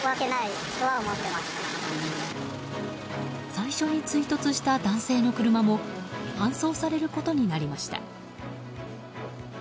最初に追突した男性の車も搬送されることになりました。